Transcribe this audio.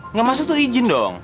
nggak masuk tuh izin dong